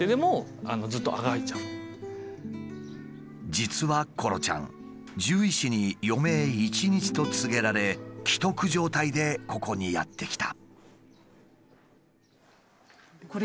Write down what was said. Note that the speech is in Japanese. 実はコロちゃん獣医師に余命１日と告げられ危篤状態でここにやって来た。